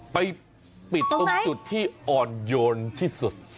ไปปิดตรงจุดที่อ่อนโยนที่สุด